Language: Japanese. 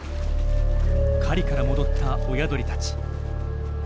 狩りから戻った親鳥たち。